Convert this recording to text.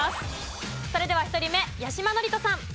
それでは１人目八嶋智人さん。